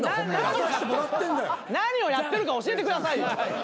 何をやってるか教えてくださいよ。